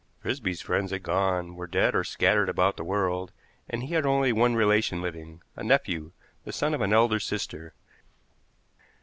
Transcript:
Frisby's friends had gone, were dead or scattered about the world, and he had only one relation living, a nephew, the son of an elder sister.